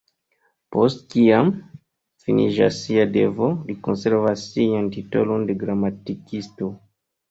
Post kiam, finiĝas sia devo, li konservas sian titolon de "Gramatikisto".